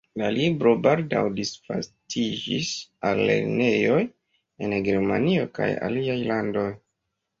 La libro baldaŭ disvastiĝis al lernejoj en Germanio kaj aliaj landoj.